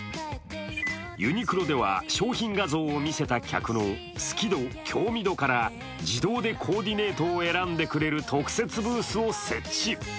ユニクロでは、商品画像を見せた客の好き度・興味度から自動でコーディネートを選んでくれる特設ブースを設置。